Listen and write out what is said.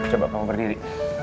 coba kamu berdiri